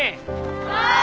はい！